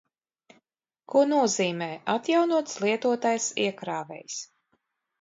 Ko nozīmē atjaunots lietotais iekrāvējs?